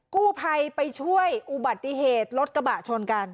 กู้ภัยไปช่วยอุบัติเหตุรถกระบะชนกัน